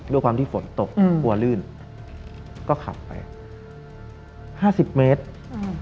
ด้วยความที่ฝนตกอืมกลัวลื่นก็ขับไปห้าสิบเมตรอืม